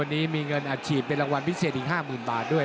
วันนี้มีเงินอัดฉีดเป็นรางวัลพิเศษอีก๕๐๐๐บาทด้วย